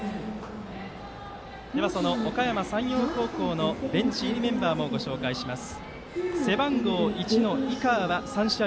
その、おかやま山陽高校のベンチ入りメンバーもご紹介します。